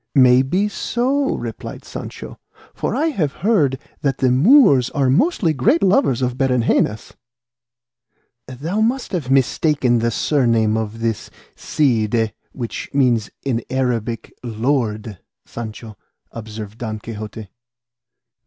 "May be so," replied Sancho; "for I have heard say that the Moors are mostly great lovers of berengenas." "Thou must have mistaken the surname of this 'Cide' which means in Arabic 'Lord' Sancho," observed Don Quixote.